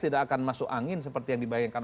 tidak akan masuk angin seperti yang dibayangkan